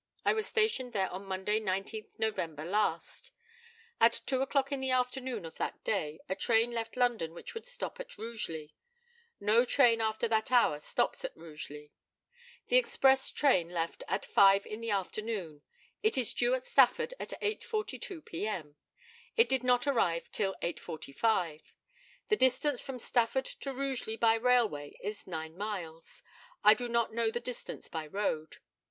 I was stationed there on Monday, 19th November last. At two o'clock in the afternoon of that day a train left London which would stop at Rugeley. No train after that hour stops at Rugeley. The express train left at five in the afternoon; it is due at Stafford at 8.42 p.m.; it did not arrive till 8.45. The distance from Stafford to Rugeley by railway is nine miles. I do not know the distance by road.